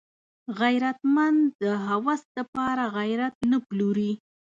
غیرتمند د هوس د پاره غیرت نه پلوري